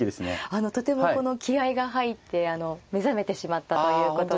あのとても気合いが入って目覚めてしまったということで。